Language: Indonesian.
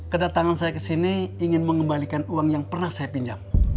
kedatangan saya ke sini ingin mengembalikan uang yang pernah saya pinjam